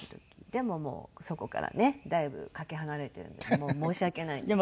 でももうそこからねだいぶかけ離れてるんでもう申し訳ないですけど。